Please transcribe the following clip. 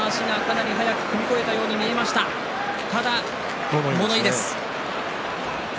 ただ、物言いです。